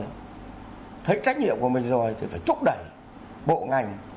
thì thấy trách nhiệm của mình rồi thì phải thúc đẩy bộ ngành